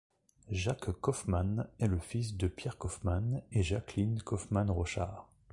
Jacques Kaufmann est le fils de Pierre Kaufmann et Jacqueline Kaufmann-Rochard.